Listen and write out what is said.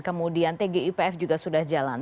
kemudian tgipf juga sudah jalan